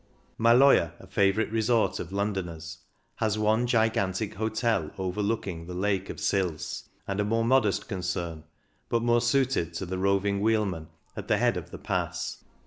Maloja, a favourite resort of Londoners, has one gigantic hotel overlooking the Lake of Sils, and a more modest concern, but more suited to the roving wheelman, at the head of the Pass.